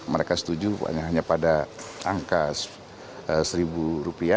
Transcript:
mereka setuju hanya pada angka rp satu